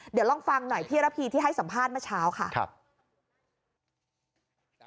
เดี๋ยวลองฟังหน่อยพี่ระพีที่ให้สัมภาษณ์เมื่อเช้าค่ะ